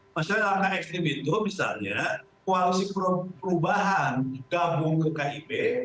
maksudnya langkah ekstrim itu misalnya koalisi perubahan gabung ke kib